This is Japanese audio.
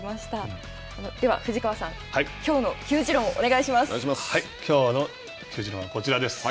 では藤川さん、きょうの球自論きょうの球自論はこちらです。